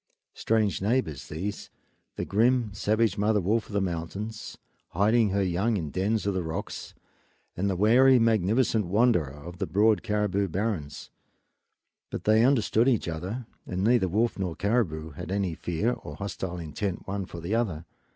Strange neighbors these, the grim, savage mother wolf of the mountains, hiding her young in dens of the rocks, and the wary, magnificent wanderer of the broad caribou barrens; but they understood each other, and neither wolf nor caribou had any fear or hostile intent one for the other.